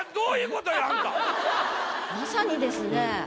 まさにですね